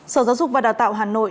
sở giáo dục và đào tạo hà nội